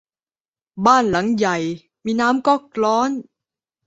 บ้านหลังใหญ่มีน้ำก๊อกร้อน